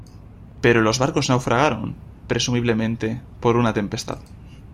Pero los barcos naufragaron, presumiblemente por una tempestad.